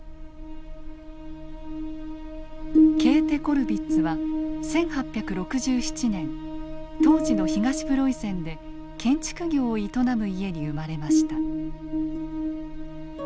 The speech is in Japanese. ケーテ・コルヴィッツは１８６７年当時の東プロイセンで建築業を営む家に生まれました。